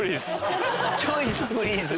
「チョイスプリーズ」